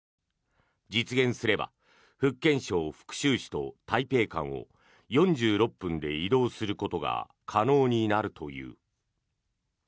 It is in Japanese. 実現すれば福建省福州市と台北間を４６分で移動することが可能になるという。